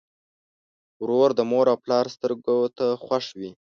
ورور د مور او پلار سترګو ته خوښ وي.